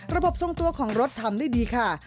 ระบบทรงตัวของรถทำดีค่ะ